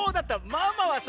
ママはさ